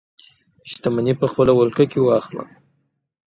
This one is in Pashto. شتمنۍ په خپله ولکه کې واخلي.